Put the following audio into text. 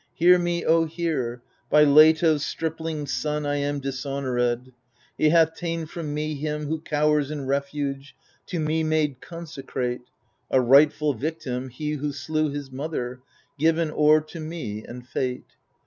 Hear me, O hear 1 by Leto's stripling son I am dishonoured : He hkth ta'en from me him who cowers in refuge, To me made consecrate, — A rightful victim, him who slew his mother. Given o'er to me and fate.